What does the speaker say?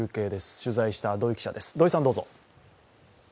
取材した土居記者です。